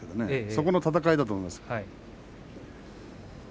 そこの戦いだと思います。